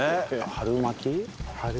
春巻き。